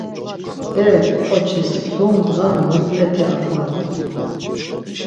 Berek ǩoçis sum ndğa muxlet̆i aǩvandu.